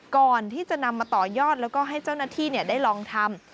ก่อนที่จะนำมาต่อยอดแล้วก็ให้เจ้าหน้าที่ได้ลองทำ